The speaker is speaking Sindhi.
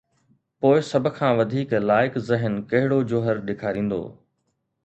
پوءِ سڀ کان وڌيڪ لائق ذهن ڪهڙو جوهر ڏيکاريندو؟